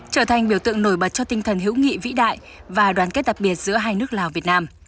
trở thành biểu tượng nổi bật cho tinh thần hữu nghị vĩ đại và đoàn kết đặc biệt giữa hai nước lào việt nam